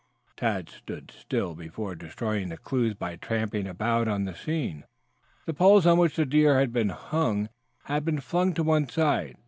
Tad stood still before destroying the clues by tramping about on the scene. The poles on which the deer had been hung had been flung to one side.